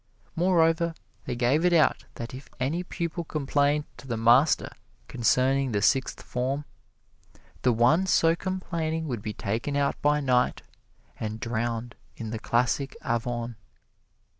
Moreover, they gave it out that if any pupil complained to the master concerning the Sixth Form, the one so complaining would be taken out by night and drowned in the classic Avon.